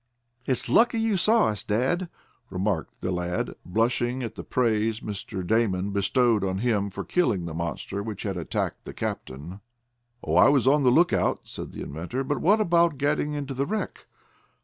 "It's lucky you saw us, dad," remarked the lad, blushing at the praise Mr. Damon bestowed on him for killing the monster which had attacked the captain. "Oh, I was on the lookout," said the inventor. "But what about getting into the wreck?"